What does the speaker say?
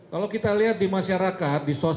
kalau kita lihat di masyarakat